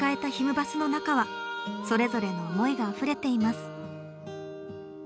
バスの中はそれぞれの思いがあふれています。